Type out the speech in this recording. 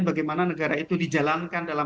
bagaimana negara itu dijalankan dalam